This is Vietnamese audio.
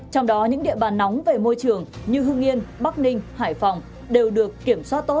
trong đó những địa bàn nóng về môi trường như hưng yên bắc ninh hải phòng đều được kiểm soát tốt